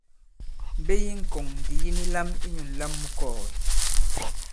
Mbe yi ŋkɔ̀ŋ ndì yi ni lam inyū ǹlam mu kɔɔ̀gɛ̀.